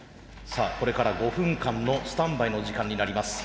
さあこれから５分間のスタンバイの時間になります。